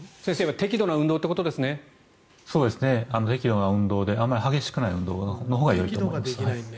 適度な運動であまり激しくない運動のほうがよろしいと思います。